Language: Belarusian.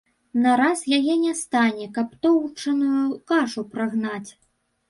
На раз яе не стане, каб тоўчаную кашу прагнаць.